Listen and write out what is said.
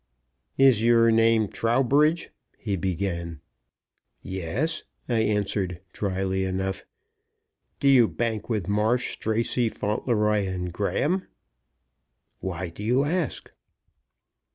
"Is your name Trowbridge?" he began. "Yes," I answered, dryly enough. "Do you bank with Marsh, Stracey, Fauntleroy & Graham?" "Why do you ask?"